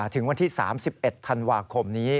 ถึงวันที่๓๑ธันวาคมนี้